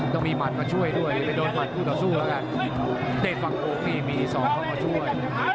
ต้องมีมันมาช่วยด้วยเดทฟังโค้งนี่มีส่องมาช่วย